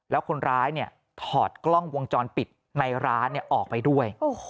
แล้วคนร้ายถอดกล้องวงจรปิดในร้านออกไปด้วย